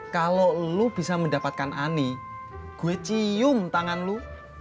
kalau lu bisa mendapatkan ani gue cium tangan lu